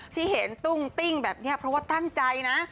ที่เห็นตุ้งติ้งแบบนี้เพราะว่าตั้งใจนะ